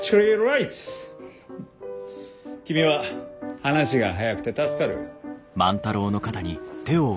君は話が早くて助かる。